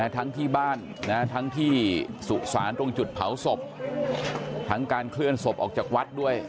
ทั้งที่บ้านทั้งที่สุสานตรงจุดเผาศพทั้งการเคลื่อนศพออกจากวัดด้วย